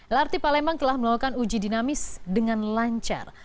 lrt palembang telah melakukan uji dinamis dengan lancar